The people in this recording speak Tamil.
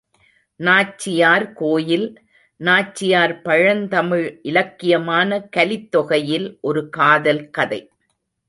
நாச்சியார் கோயில் நாச்சியார் பழந்தமிழ் இலக்கியமான கலித்தொகையில் ஒரு காதல் கதை.